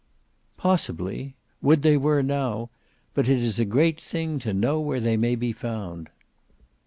"Possibly. Would they were now! But it is a great thing to know where they may be found."